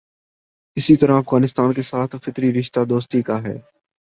اسی طرح افغانستان کے ساتھ فطری رشتہ دوستی کا ہے۔